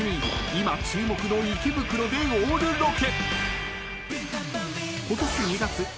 今注目の池袋でオールロケ］